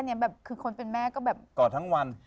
อันนี้แบบคือคนเป็นแม่ก็แบบกอดทั้งวัน